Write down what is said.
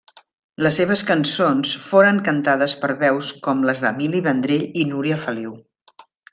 Les seves cançons foren cantades per veus com les d'Emili Vendrell i Núria Feliu.